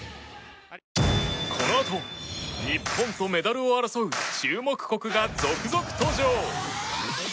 このあと日本とメダルを争う注目国が続々登場。